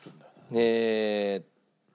えっと。